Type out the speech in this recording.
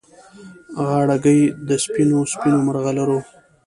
غاړګۍ د سپینو، سپینو مرغلرو